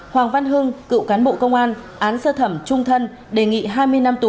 hoàng văn hưng cựu cán bộ công an án sơ thẩm trung thân đề nghị hai mươi năm tù